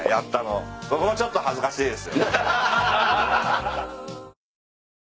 僕もちょっと恥ずかしいです。